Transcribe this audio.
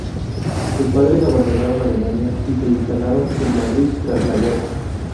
Sus padres abandonaron Alemania y se instalaron en Madrid tras la guerra.